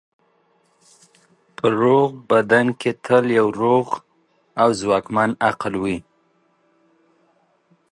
په روغ بدن کې تل یو روغ او ځواکمن عقل وي.